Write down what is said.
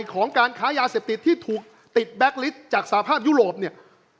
ของการค้ายาเสพติดที่ถูกติดแบ็คลิสต์จากสภาพยุโรปเนี่ย